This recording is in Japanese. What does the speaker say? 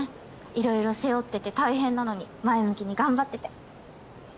色々背負ってて大変なのに前向きに頑張ってて。